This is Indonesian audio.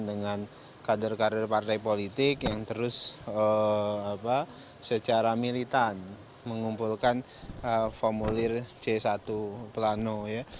dengan kader kader partai politik yang terus secara militan mengumpulkan formulir c satu plano ya